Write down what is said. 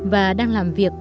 và đang làm việc